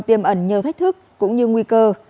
tiềm ẩn nhiều thách thức cũng như nguy cơ